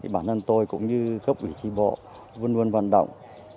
bản thân tôi cũng như các vị thi bộ vươn vươn vận động